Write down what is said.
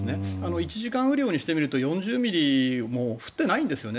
１時間雨量にしてみると４０ミリ降ってないんですよね。